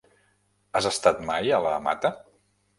Has estat mai a la Mata?